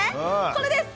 これです！